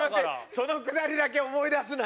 そのくだりだけ思い出すな。